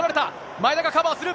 前田がカバーする。